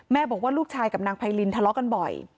บอกว่าลูกชายกับนางไพรินทะเลาะกันบ่อย